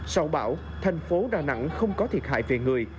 sau bão thành phố đà nẵng không có thiệt hại về người